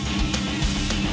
terima kasih chandra